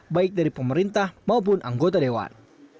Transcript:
baik dari pemerintah maupun anggota dewan